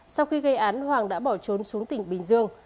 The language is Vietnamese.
sau khi gây án hoàng đã bỏ trốn xuống tỉnh bình dương